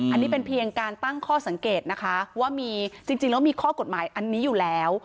อันนี้เป็นเพียงการตั้งข้อสังเกตนะคะว่ามีจริงแล้วมีข้อกฎหมายอันนี้อยู่แล้ว